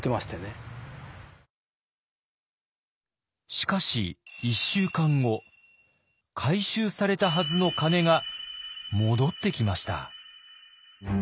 しかし一週間後回収されたはずの鐘が戻ってきました。